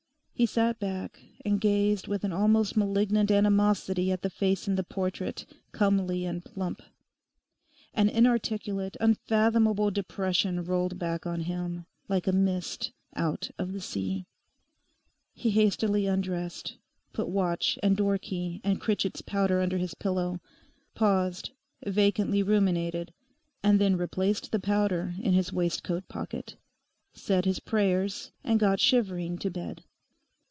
He sat back and gazed with an almost malignant animosity at the face in the portrait, comely and plump. An inarticulate, unfathomable depression rolled back on him, like a mist out of the sea. He hastily undressed, put watch and door key and Critchett's powder under his pillow, paused, vacantly ruminated, and then replaced the powder in his waistcoat pocket, said his prayers, and got shivering to bed.